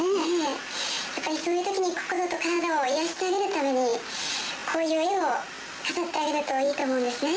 そういうときに、心と体を癒やしてあげるために、こういう絵を飾ってあげるといいと思うんですね。